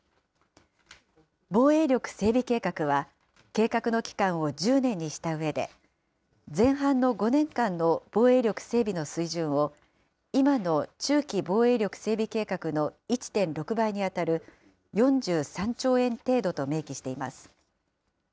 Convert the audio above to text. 防衛力整備計画は、計画の期間を１０年にしたうえで、前半の５年間の防衛力整備の水準を今の中期防衛力整備計画の１．６倍に当たる４３兆円程度と明記しています。